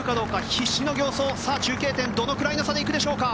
必死の形相中継点、どのくらいの差で行くでしょうか。